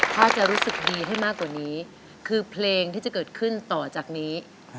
ถ้าจะรู้สึกดีให้มากกว่านี้คือเพลงที่จะเกิดขึ้นต่อจากนี้